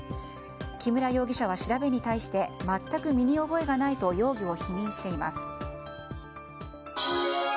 木村容疑者は調べに対して全く身に覚えがないと容疑を否認しています。